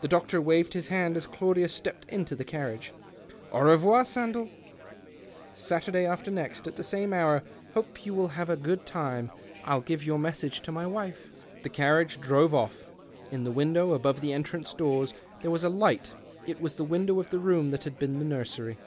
The doctor waved his hand as Claudius stepped into the carriage. "Alt revoir, Sandell ! Saturday after next, at the same hour. Hope you will have a 148 THE OCTAVE OF CLAUDIUS. good time ; I'll give your message to my wife. ..." The carriage drove off. In tlie window above tlie entrance doors there was a light. It was the window of the room that had been the nursery.